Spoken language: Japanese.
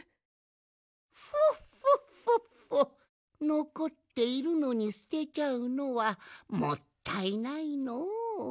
のこっているのにすてちゃうのはもったいないのう。